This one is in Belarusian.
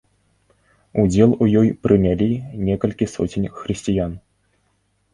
Удзел у ёй прынялі некалькі соцень хрысціян.